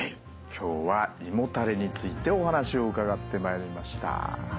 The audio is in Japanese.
今日は胃もたれについてお話を伺ってまいりました。